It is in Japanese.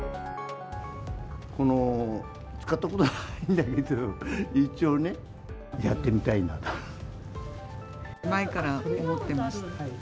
この、使ったことないんだけ前から思ってました。